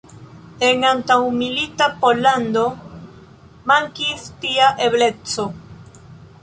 En antaŭmilita Pollando mankis tia ebleco.